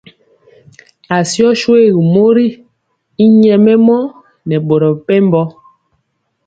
Asió shuégu mori y nyɛmemɔ nɛ boro mepempɔ.